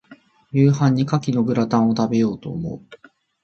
夕飯に牡蠣のグラタンを、食べようと思う。